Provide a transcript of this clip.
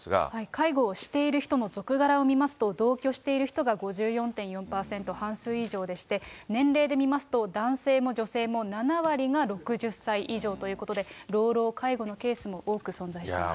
介護をしている人の続柄を見ますと、同居している人が５４．４％、半数以上でして、年齢で見ますと、男性も女性も７割が６０歳以上ということで、老老介護のケースも多く存在しています。